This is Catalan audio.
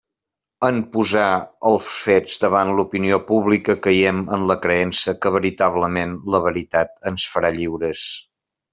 En posar els fets davant l'opinió pública caiem en la creença que veritablement «la veritat ens farà lliures».